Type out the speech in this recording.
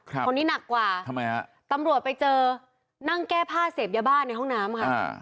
คนนี้หนักกว่าทำไมฮะตำรวจไปเจอนั่งแก้ผ้าเสพยาบ้าในห้องน้ำค่ะ